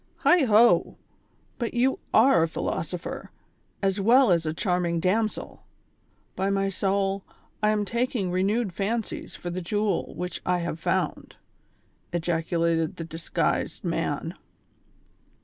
"Heigh ho! but you are a philosopher, as well as a charming damsel ; by ray soul, I am taking renewed fancies for the jewel which f have found,'' ejaculated the disguised man.